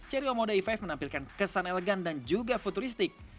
cherry omoda e lima menampilkan kesan elegan dan juga futuristik